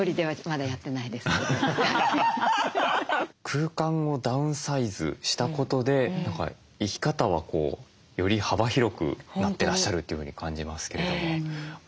空間をダウンサイズしたことで何か生き方はより幅広くなってらっしゃるというふうに感じますけども。